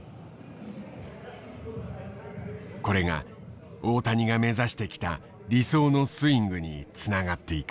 これが大谷が目指してきた理想のスイングにつながっていく。